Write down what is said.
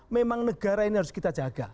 memang negara ini harus kita jaga